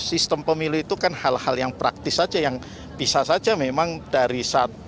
sistem pemilu itu kan hal hal yang praktis saja yang bisa saja memang dari saat